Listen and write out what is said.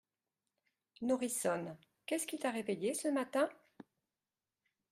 Nourrissonne, qu’est-ce qui t’a réveillée ce matin ?